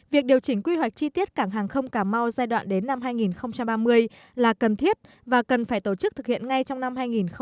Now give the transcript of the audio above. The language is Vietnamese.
việc điều chỉnh quy hoạch chi tiết cảng hàng không cà mau giai đoạn đến năm hai nghìn ba mươi là cần thiết và cần phải tổ chức thực hiện ngay trong năm hai nghìn hai mươi